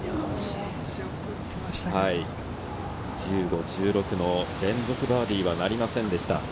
１５、１６の連続バーディーとはなりませんでした。